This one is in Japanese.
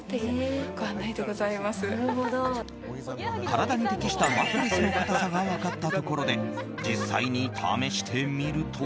体に適したマットレスの硬さが分かったところで実際に試してみると。